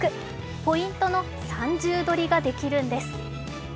ポイントの三重取りができるんです。